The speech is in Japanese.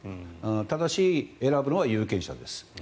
ただし、選ぶのは有権者です。